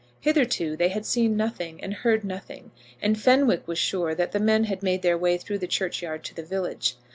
Hitherto they had seen nothing, and heard nothing, and Fenwick was sure that the men had made their way through the churchyard to the village.